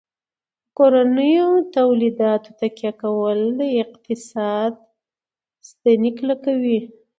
په کورنیو تولیداتو تکیه کول د اقتصاد ستنې کلکوي.